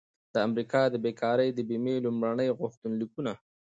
د امریکا د بیکارۍ د بیمې لومړني غوښتنلیکونه